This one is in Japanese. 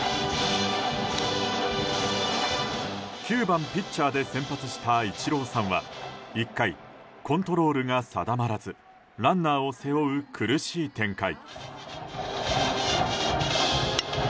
９番ピッチャーで先発したイチローさんは１回コントロールが定まらずランナーを背負う苦しい展開。